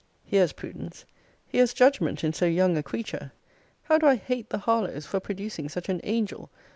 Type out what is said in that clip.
Here's prudence! Here's judgment in so young a creature! How do I hate the Harlowes for producing such an angel!